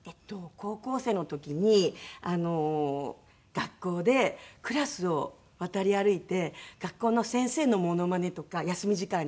高校生の時に学校でクラスを渡り歩いて学校の先生のモノマネとか休み時間に。